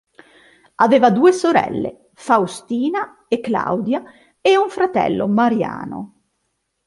Aveva due sorelle: Faustina e Claudia e un fratello: Mariano.